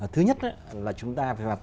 thứ nhất là chúng ta